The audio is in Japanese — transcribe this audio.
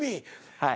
はい。